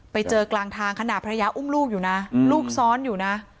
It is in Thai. ไปเจอกลางทางขณะภรรยาอุ้มลูกอยู่นะลูกซ้อนอยู่นะ